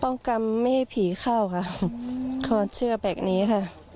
กรรมไม่ให้ผีเข้าค่ะเขาเชื่อแบบนี้ค่ะ